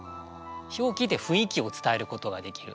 表記で雰囲気を伝えることができる。